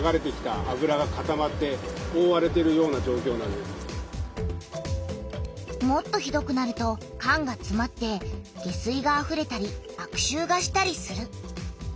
これはもっとひどくなると管がつまって下水があふれたりあくしゅうがしたりする。